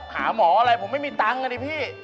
หาหมออะไรผมไม่มีตังค์อ่ะดิพี่